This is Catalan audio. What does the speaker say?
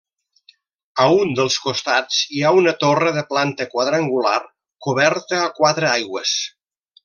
A un dels costats hi ha una torre de planta quadrangular coberta a quatre aigües.